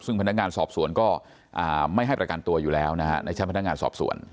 ซึ่งพนักงานสอบสวนก็ไม่ให้ประกันตัวอยู่แล้วนะฮะในชั้นพนักงานสอบสวน